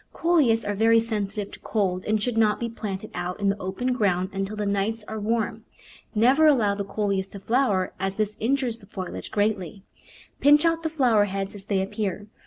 Coleus are very sensitive to cold and should not be planted out in the open ground until the nights are warm. Never allow the Coleus to flower, as this in jures the foliage greatly. Pinch out the flower heads as they appear.